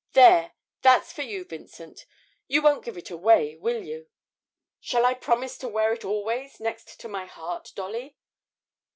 'There, that's for you, Vincent you won't give it away, will you?' 'Shall I promise to wear it always next to my heart, Dolly?'